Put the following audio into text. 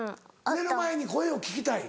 寝る前に声を聞きたい。